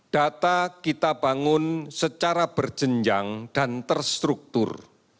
data kita bangun secara berjenjang dan terstruktur